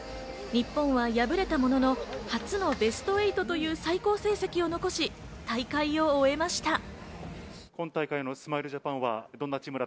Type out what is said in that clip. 日本は敗れたものの、初のベスト８という最高成績を残し、大会を終えました。